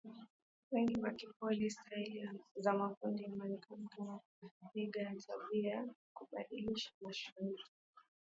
wengi wakikopi staili za makundi ya Marekani kama nigga na tabia na kadhalika mashairi